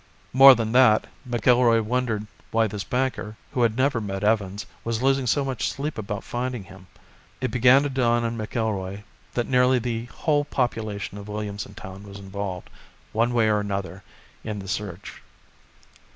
More than that, McIlroy wondered why this banker, who had never met Evans, was losing so much sleep about finding him. It began to dawn on McIlroy that nearly the whole population of Williamson Town was involved, one way or another, in the search.